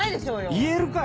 言えるかよ！